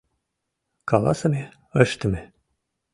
Каласыме — ыштыме.